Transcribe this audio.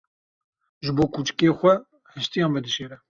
Ji bo kûçikê xwe hestiyan vedişêre.